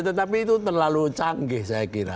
tetapi itu terlalu canggih saya kira